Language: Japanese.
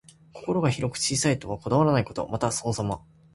心が広く、小さいことにはこだわらないこと。また、そのさま。